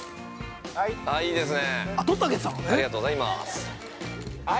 ◆あ、いいですね。